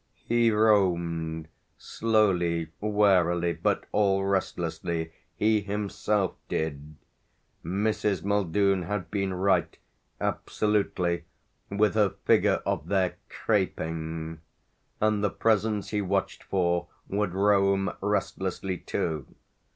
He roamed, slowly, warily, but all restlessly, he himself did Mrs. Muldoon had been right, absolutely, with her figure of their "craping"; and the presence he watched for would roam restlessly too.